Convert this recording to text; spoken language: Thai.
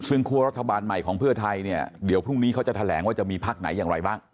ซึ่งคั่วรัฐบาลใหม่ของเพื่อไทยเนี่ยเดี๋ยวพรุ่งนี้เขาจะแถลงว่าจะมีพักไหนอย่างไรบ้าง